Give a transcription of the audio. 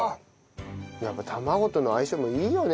卵との相性もいいよね